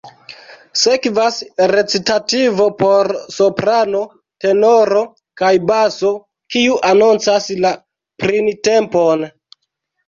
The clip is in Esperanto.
Sekvas recitativo por soprano, tenoro kaj baso, kiu anoncas la printempon.